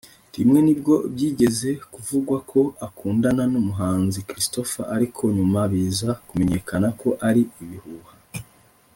rimwe nibwo byigeze kuvugwa ko akundana n’umuhanzi Christopher ariko nyuma biza kumenyekana ko ari ibihuha